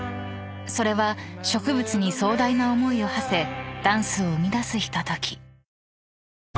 ［それは植物に壮大な思いをはせダンスを生み出すひととき］